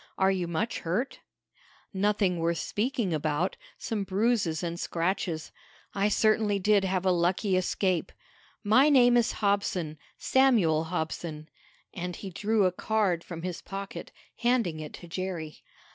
"Are you much hurt?" "Nothing worth speaking about. Some bruises and scratches. I certainly did have a lucky escape. My name is Hobson Samuel Hobson," and he drew a card from his pocket, handing it to Jerry.